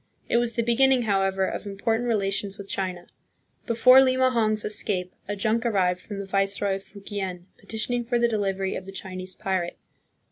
It was the beginning, however, of important relations with China. Before Limahong's escape a junk arrived from the viceroy of Fukien, petitioning for the delivery of the Chinese pirate.